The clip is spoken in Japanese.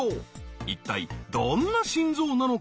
一体どんな心臓なのか？